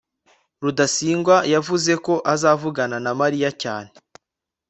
rudasingwa yavuze ko azavugana na mariya cyane